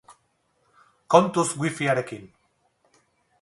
Kontuz wifiarekin!